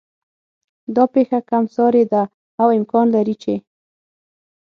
دا پېښه کم سارې ده او امکان لري چې